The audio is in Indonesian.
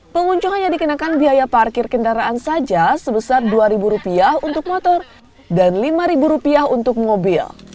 pengunjung hanya dikenakan biaya parkir kendaraan saja sebesar rp dua untuk motor dan rp lima untuk mobil